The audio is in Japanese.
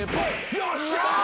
よっしゃ！